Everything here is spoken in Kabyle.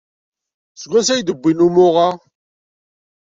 Seg wansi ay d-wwin umuɣ-a?